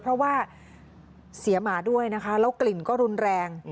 เพราะว่าเสียหมาด้วยนะคะแล้วกลิ่นก็รุนแรง